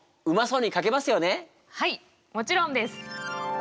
はいもちろんです。